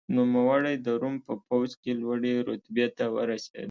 نوموړی د روم په پوځ کې لوړې رتبې ته ورسېد.